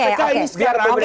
biar publik yang menilai